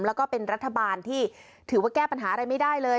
แล้วก็เป็นรัฐบาลที่ถือว่าแก้ปัญหาอะไรไม่ได้เลย